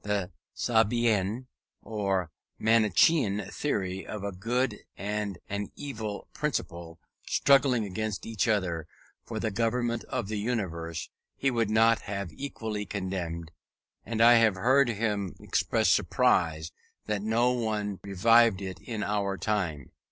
The Sabaean, or Manichaean theory of a Good and an Evil Principle, struggling against each other for the government of the universe, he would not have equally condemned; and I have heard him express surprise, that no one revived it in our time.